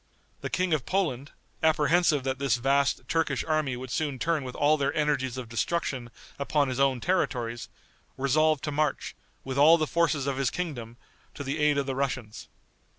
The King of Poland, apprehensive that this vast Turkish army would soon turn with all their energies of destruction upon his own territories, resolved to march, with all the forces of his kingdom, to the aid of the Russians.